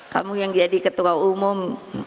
kamu yang jadi ketua umum